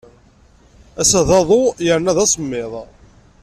Ass-a, d aḍu yernu d asemmaḍ.